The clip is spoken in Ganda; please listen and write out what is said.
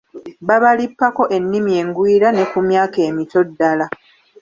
Babalippako ennimi engwira ne ku myaka emito ddala.